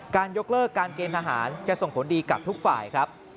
ยกเลิกการเกณฑ์ทหารจะส่งผลดีกับทุกฝ่ายครับ